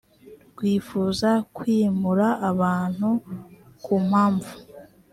rwifuza kwimura abantu ku mpamvu